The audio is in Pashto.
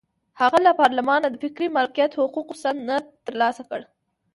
هغه له پارلمانه د فکري مالکیت حقوقو سند ترلاسه کړ.